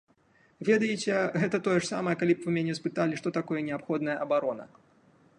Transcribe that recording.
Ведаеце, гэта тое ж самае, калі б вы мяне спыталі, што такое неабходная абарона.